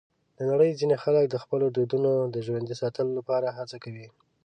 د نړۍ ځینې خلک د خپلو دودونو د ژوندي ساتلو لپاره هڅه کوي.